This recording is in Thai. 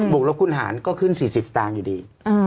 บวกลบคุณหารก็ขึ้น๔๐ต่างอยู่ดี